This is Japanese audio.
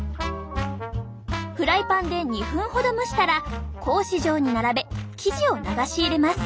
フライパンで２分ほど蒸したら格子状に並べ生地を流し入れます。